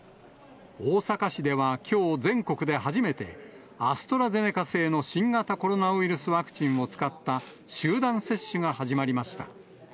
大阪市ではきょう、全国で初めて、アストラゼネカ製の新型コロナウイルスワクチンを使った、集団接種が始まりました。